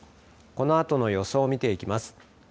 このあとの予想を見ていきます。